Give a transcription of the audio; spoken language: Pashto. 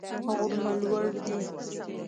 غرونه لوړ دي.